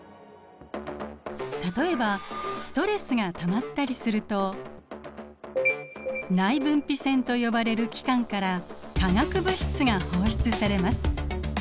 例えばストレスがたまったりすると内分泌腺と呼ばれる器官から化学物質が放出されます。